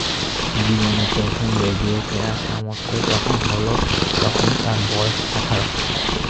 জীবনে প্রথম রেডিও কেনার সামর্থ্য যখন হলো, তখন তার বয়স আঠারো।